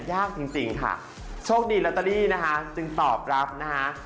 ยากจริงค่ะโชคดีลอตเตอรี่นะคะจึงตอบรับนะคะ